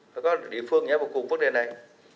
phải có địa phương nhớ vô cùng vấn đề này